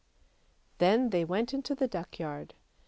" Then they went into the duckyard.